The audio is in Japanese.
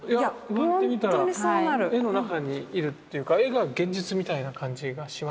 言われてみたら絵の中にいるというか絵が現実みたいな感じがします。